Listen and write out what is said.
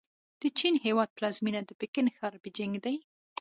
د چین هېواد پلازمېنه د پکن ښار بیجینګ دی.